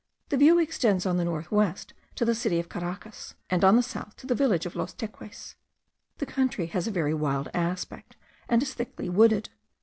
The view extends on the north west to the city of Caracas, and on the south to the village of Los Teques. The country has a very wild aspect, and is thickly wooded.